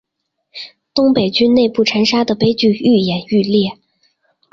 东北军内部残杀的悲剧愈演愈烈。